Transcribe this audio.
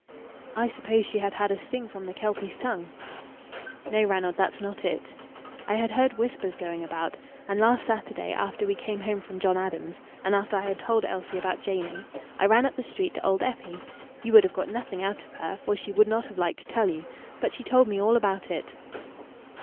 "I suppose she had had a sting from the Kelpie's tongue." "No, Ranald, that's not it. I had heard whispers going about; and last Saturday, after we came home from John Adam's, and after I had told Elsie about Jamie, I ran up the street to old Eppie. You would have got nothing out of her, for she would not have liked to tell you; but she told me all about it."